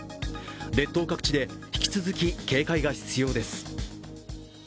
列島各地で引き続き警戒が必要です。